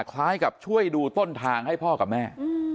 คล้ายกับช่วยดูต้นทางให้พ่อกับแม่